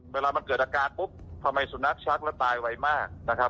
เวลามันเกิดอาการปุ๊บทำไมสุนัขชักแล้วตายไวมากนะครับ